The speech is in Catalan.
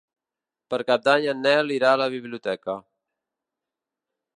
Per Cap d'Any en Nel irà a la biblioteca.